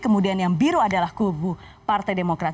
kemudian yang biru adalah kubu partai demokrat